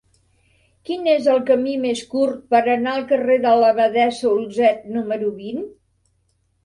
Quin és el camí més curt per anar al carrer de l'Abadessa Olzet número vint?